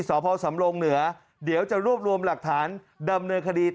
สพสำรงเหนือเดี๋ยวจะรวบรวมหลักฐานดำเนินคดี